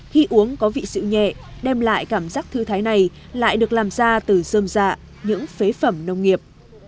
khi uống có vị sự nhẹ đem lại cảm giác thư thái này lại được làm ra từ dơm dạ những phế phẩm nông nghiệp